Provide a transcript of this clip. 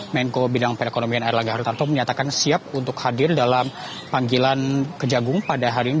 menko bidang perekonomian erlangga hartarto menyatakan siap untuk hadir dalam panggilan kejagung pada hari ini